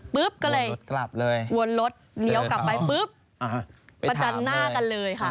ปุ๊บก็เลยวนรถเลี้ยวกลับไปปุ๊บประจันหน้ากันเลยค่ะ